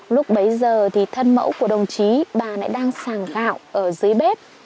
lúc bấy giờ thì thân mẫu của đồng chí bà lại đang sàng gạo ở dưới bếp